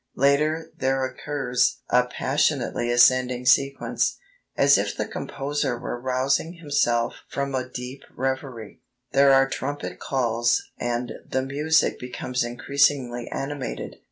Later there occurs "a passionately ascending sequence, as if the composer were rousing himself from a deep revery." There are trumpet calls, and the music becomes increasingly animated.